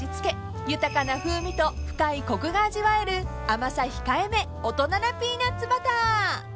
［豊かな風味と深いコクが味わえる甘さ控えめ大人なピーナッツバター］